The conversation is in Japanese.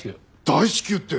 大至急って。